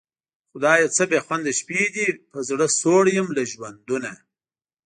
خدایه څه بېخونده شپې دي په زړه سوړ یم له ژوندونه